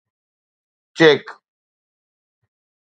check